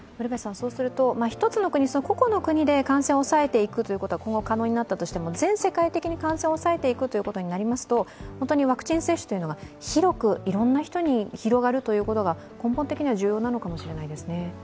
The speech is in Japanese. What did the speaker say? １つの国、個々の国で感染を抑えていくことは今後可能になったとしても全世界的に感染を抑えていくことになりますとワクチン接種というのが広くいろんな人に広がるというのが重要なのかもしれないですね。